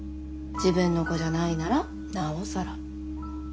自分の子じゃないならなおさら。